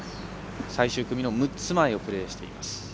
最終組の６つ前をプレーしています。